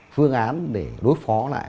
phương án để đối phó lại